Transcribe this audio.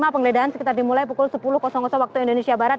penggeledahan sekitar dimulai pukul sepuluh waktu indonesia barat